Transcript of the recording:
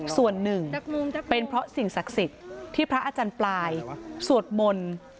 ส่วนหนึ่งเป็นเพราะสิ่งศักดิ์สิทธิ์ที่พระอาจารย์ปลายสวดมนต์